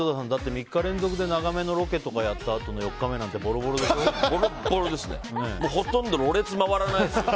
３日連続で長めのロケとかやったあとのボロボロですね。